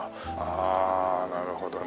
ああなるほどね。